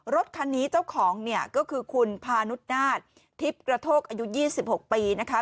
รถคันนี้เจ้าของเนี่ยก็คือคุณพานุนาศทิพย์กระโทกอายุ๒๖ปีนะคะ